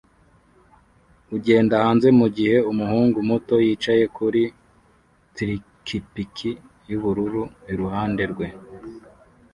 ugenda hanze mugihe umuhungu muto yicaye kuri trikipiki yubururu iruhande rwe